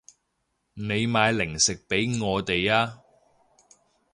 你買零食畀我哋啊